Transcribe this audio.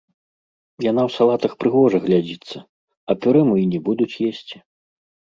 Яна ў салатах прыгожа глядзіцца, а пюрэ мо і не будуць есці.